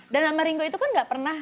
dan sama ringo itu kan gak pernah